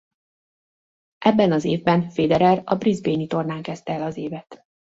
Ebben az évben Federer a brisbanei tornán kezdte el az évet.